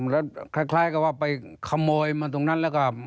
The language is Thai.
แล้วคล้ายกับว่าไปขโมยมาตรงนั้นแล้วก็